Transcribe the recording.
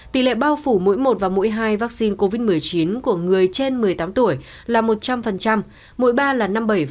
tỷ lệ bao phủ mỗi một và mũi hai vaccine covid một mươi chín của người trên một mươi tám tuổi là một trăm linh mũi ba là năm mươi bảy